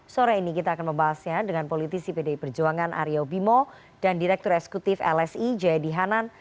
sore ini kita akan membahasnya dengan politisi pdi perjuangan aryo bimo dan direktur eksekutif lsi jayadi hanan